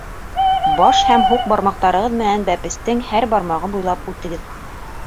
Баш һәм һуҡ бармаҡтарығыҙ менән бәпестең һәр бармағы буйлап үтегеҙ.